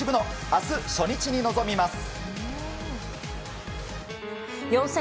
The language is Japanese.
明日、初日に臨みます。